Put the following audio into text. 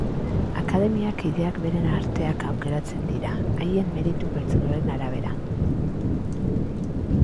Akademiak kideak beren arteak aukeratzen dira, haien meritu pertsonalen arabera.